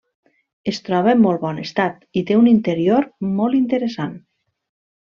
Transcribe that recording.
Es troba en molt bon estat, i té un interior molt interessant.